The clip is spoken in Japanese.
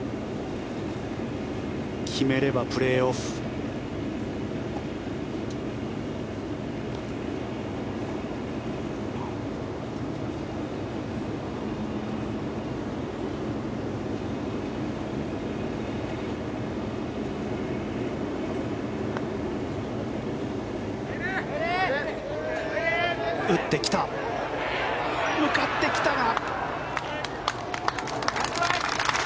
決めればプレーオフ。打ってきた、向かってきたが。